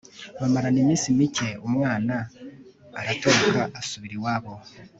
bamarana iminsi mike umwana, aratoroka asubira iwabo